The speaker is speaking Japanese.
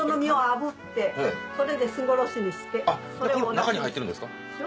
これ中に入ってるんですか？